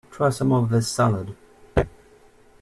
Try some of this salad.